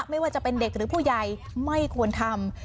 ไม่ว่าจะเป็นเด็กหรือผู้ใหญ่ไม่ควรทำ